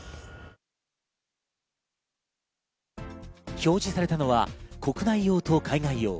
表示されたのは国内用と海外用。